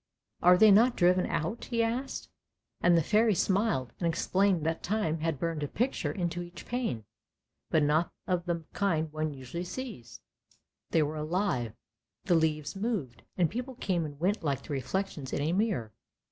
" Are they not driven out? " he asked, and the Fairy smiled and explained that Time had burned a picture into each pane, but not of the kind one usually sees; they were alive, the leaves moved, and people came and went like the reflections in a mirror.